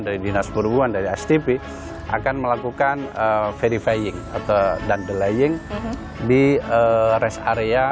dari dinas perubahan dari stp akan melakukan verifying atau done delaying di rest area